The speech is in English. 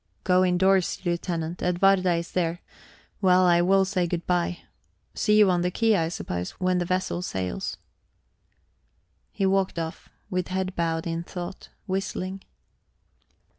"Go indoors, Lieutenant; Edwarda is there. Well, I will say good bye. See you on the quay, I suppose, when the vessel sails." He walked off, with head bowed in thought, whistling.